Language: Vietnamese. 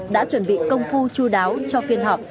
đã chuẩn bị công phu chú đáo cho phiên họp